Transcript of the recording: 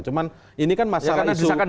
cuman ini kan masalah isu